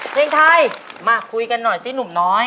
เพลงไทยมาคุยกันหน่อยซิหนุ่มน้อย